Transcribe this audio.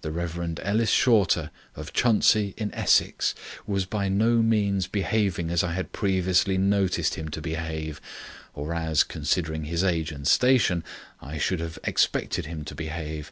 The Rev. Ellis Shorter, of Chuntsey, in Essex, was by no means behaving as I had previously noticed him to behave, or as, considering his age and station, I should have expected him to behave.